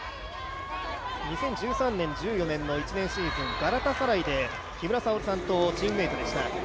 ２０１３、２０１４年のシーズンでガラタサライで、木村沙織さんと同じチームでした。